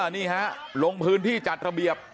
นี่ฮะลงพื้นที่จัดระเบียบ